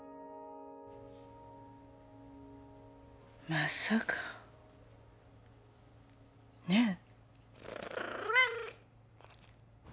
まさか。ねえ？